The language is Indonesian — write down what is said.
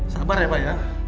sabar ya pak